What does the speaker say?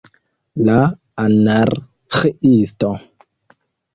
La Anarĥiisto!